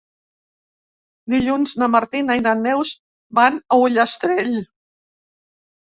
Dilluns na Martina i na Neus van a Ullastrell.